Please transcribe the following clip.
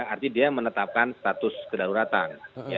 artinya dia menetapkan status kedaulatan